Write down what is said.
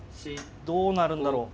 どうなるんだろう。